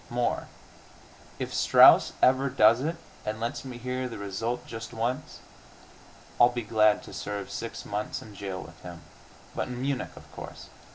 More, if Strauss ever does it and lets me hear the result just once, I'll be glad to serve six months in jail with him.... But in Munich, of course!